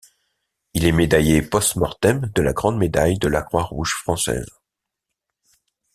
Il est médaillé post-mortem de la Grande médaille de la croix rouge française.